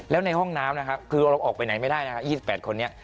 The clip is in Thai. แล้วในห้องน้ำนะครับคือเราออกไปไหนไม่ได้นะครับ๒๘คนนี้